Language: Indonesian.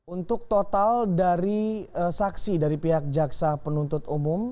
untuk total dari saksi dari pihak jaksa penuntut umum